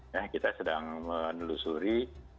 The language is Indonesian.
nah kita sedang menelusuri